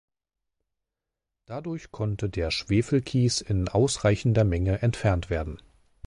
Dadurch konnte der Schwefelkies in ausreichender Menge entfernt werden.